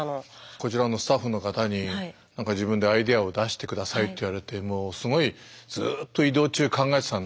こちらのスタッフの方に何か自分でアイデアを出して下さいと言われてずっと移動中考えてたの。